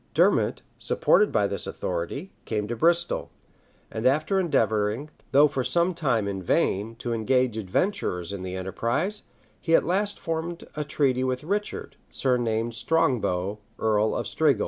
760] Dermot, supported by this authority, came to Bristol; and after endeavoring, though for some time in vain, to engage adventurers in the enterprise, he at last formed a treaty with Richard, surnamed Strongbow, earl of Strigul.